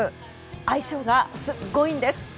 相性がすごいんです。